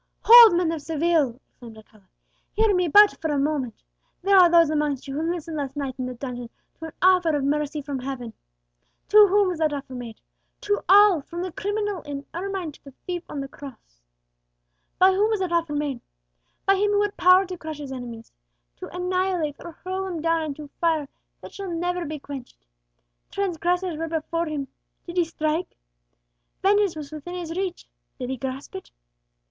"Hold, men of Seville!" exclaimed Alcala; "hear me but for a moment. There are those amongst you who listened last night in a dungeon to an offer of mercy from Heaven. To whom was that offer made? To all, from the criminal in ermine to the thief on the cross. By whom was that offer made? By Him who had power to crush His enemies to annihilate or hurl them down into fire that shall never be quenched. Transgressors were before Him; did He strike? Vengeance was within His reach; did He grasp it?